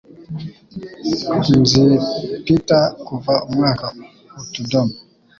Nzi Peter kuva umwaka utudomo